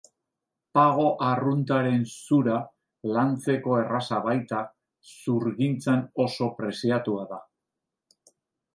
Pago arruntaren zura, lantzeko erraza baita, zurgintzan oso preziatua da.